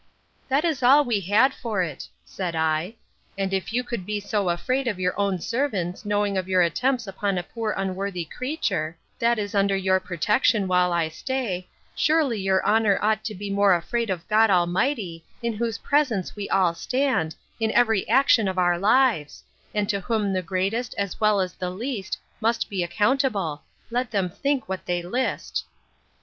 That is all we had for it, said I; and if you could be so afraid of your own servants knowing of your attempts upon a poor unworthy creature, that is under your protection while I stay, surely your honour ought to be more afraid of God Almighty, in whose presence we all stand, in every action of our lives, and to whom the greatest, as well as the least, must be accountable, let them think what they list.